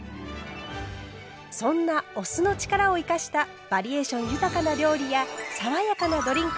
そんなお酢の力を生かしたバリエーション豊かな料理や爽やかなドリンク